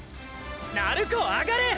鳴子上がれ！！